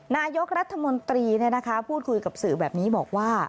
นายกรัฐมนตรีพูดคุยกับสื่อแบบนี้บอกว่า